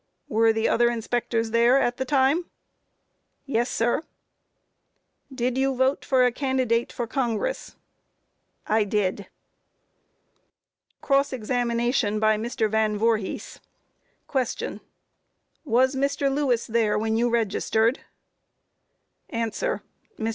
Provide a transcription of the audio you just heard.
Q. Were the other inspectors there at the time? A. Yes, sir. Q. Did you vote for a candidate for Congress? A. I did. Cross Examination by MR. VAN VOORHIS: Q. Was Mr. Lewis there when you registered? A. Mr.